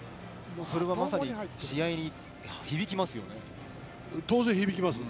それはまさに試合に響きますよね。